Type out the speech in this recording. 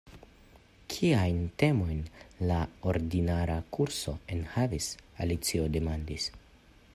"Kiajn temojn la ordinara kurso enhavis?" Alicio demandis.